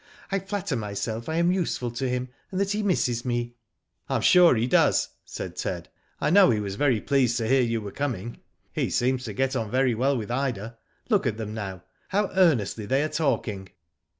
I flatter myself I am useful to him and that he misses me." " I am sure he does,*' said Ted. " I know he was very pleased to hear you were coming. He seems to get on very well with Ida. Look at them now, how earnestly they are talking."